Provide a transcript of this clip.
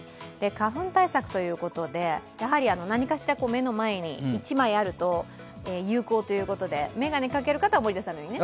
花粉対策ということで、何かしら目の前に１枚あると有効ということで、眼鏡かける方は森田さんのように